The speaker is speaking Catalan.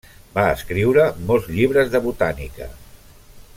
Va escriure molts llibres de botànica.